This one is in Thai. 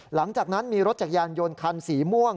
หลังจากนั้นมีรถจักรยานยนต์คันสีม่วง